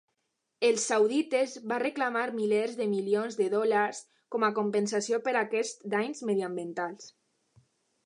Els saudites va reclamar milers de milions de dòlars com a compensació per aquests danys mediambientals.